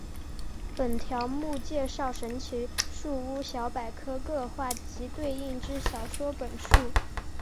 本条目介绍神奇树屋小百科各话及对应之小说本数。